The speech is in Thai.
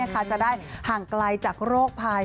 จะได้ห่างไกลจากโรคภัย